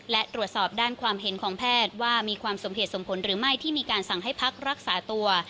และตรวจสอบด้านความเห็นของแพทย์ว่ามีความสมเหตุสมผลหรือไม่ที่มีการสั่งให้พักรักษาตัว